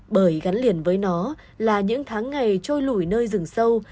bởi gắn liền với nó là những tháng ngày trôi lủi nơi rừng sâu